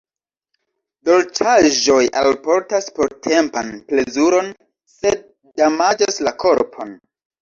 Dolĉaĵoj alportas portempan plezuron, sed damaĝas la korpon.